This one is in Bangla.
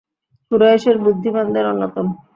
কুরাইশের বুদ্ধিমানদের অন্যতম।